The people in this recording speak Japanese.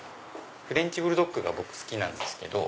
フレンチブルドッグが僕好きなんですけど。